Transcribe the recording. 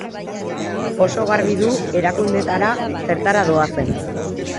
Oso garbi du erakundeetara zertara doazen.